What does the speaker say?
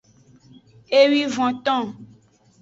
Ewivonton.